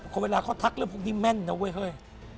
เวลาเขาทักเรื่องพวกนี้แม่นนะเว้ยเฮ้ย